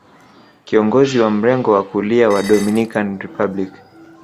Kiongozi wa mrengo wa kulia wa Dominican Republic